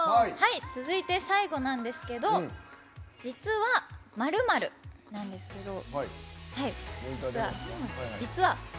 続いて、最後なんですけど「実は○○」なんですけど。あ！